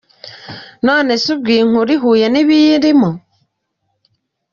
None se ubwo iyi nkuru ihuye nibirimo?.